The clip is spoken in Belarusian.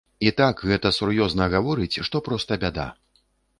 І так гэта сур'ёзна гаворыць, што проста бяда.